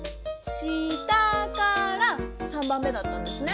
し・た・か・ら３ばんめだったんですね。